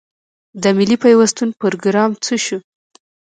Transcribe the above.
د ملي پیوستون پروګرام څه شو؟